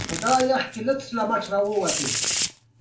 هر ګډونوال کولای شي لوی بدلون راولي.